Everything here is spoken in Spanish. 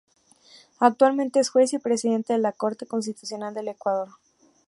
Actualmente es juez y presidente de la Corte Constitucional del Ecuador.